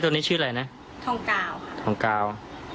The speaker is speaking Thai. นี้ชื่ออะไรนะทองกาวค่ะทองกาว